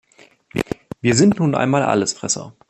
Wir sind nun einmal Allesfresser.